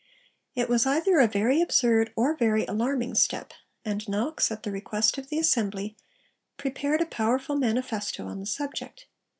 It was either a very absurd, or a very alarming, step; and Knox, at the request of the Assembly, prepared a powerful manifesto on the subject.